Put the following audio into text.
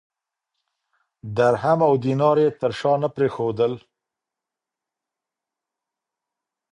درهم او دینار یې تر شا نه پرېښودل.